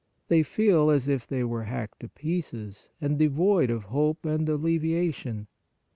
They feel as if they were hacked to pieces, and devoid of hope and alleviation.